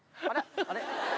あれ？